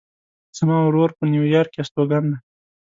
زما ورور په نیویارک کې استوګن ده